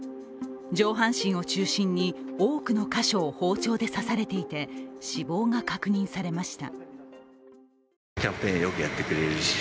上半身を中心に多くの箇所を包丁で刺されていて死亡が確認されました。